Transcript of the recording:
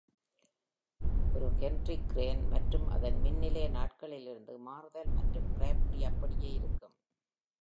ஒரு gantry crane மற்றும் அதன் மின் நிலைய நாட்களிலிருந்து மாறுதல் மற்றும் கிராஃபிட்டி அப்படியே இருக்கும்.